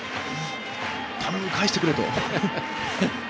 頼む、返してくれと。